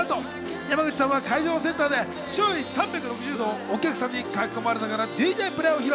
山口さんは会場のセンターで周囲３６０度をお客さんに囲まれながらＤＪプレイを披露。